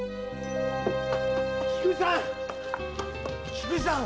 菊路さん！